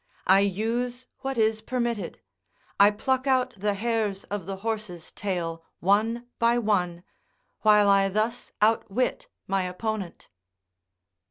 . I use what is permitted; I pluck out the hairs of the horse's tail one by one; while I thus outwit my opponent."